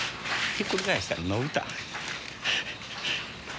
ひっくり返したら伸びた。